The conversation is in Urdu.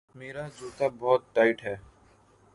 میرا جوتا بہت ٹائٹ ہے